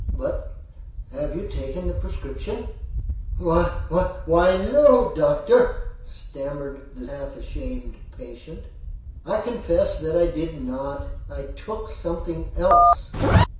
But, have you taken the prescription." "Wh wh why no, doctor," stammered the half ashamed patient. "I confess that I did not. I took something else."